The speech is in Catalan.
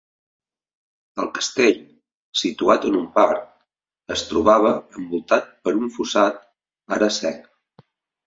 El castell, situat en un parc, es trobava envoltat per un fossat, ara sec.